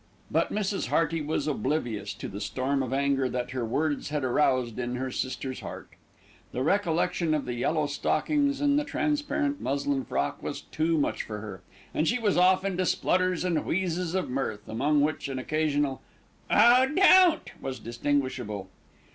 But Mrs. Hearty was oblivious to the storm of anger that her words had aroused in her sister's heart. The recollection of the yellow stockings and the transparent muslin frock was too much for her, and she was off into splutters and wheezes of mirth, among which an occasional "Oh don't!" was distinguishable.